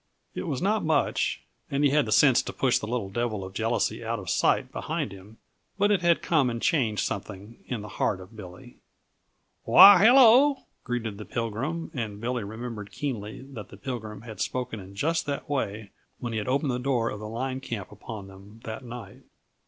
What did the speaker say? It was not much, and he had the sense to push the little devil of jealousy out of sight behind him, but it had come and changed something in the heart of Billy. "Why, hello!" greeted the Pilgrim, and Billy remembered keenly that the Pilgrim had spoken in just that way when he had opened the door of the line camp upon them, that night.